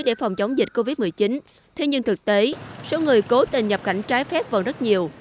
để phòng chống dịch covid một mươi chín thế nhưng thực tế số người cố tình nhập cảnh trái phép vẫn rất nhiều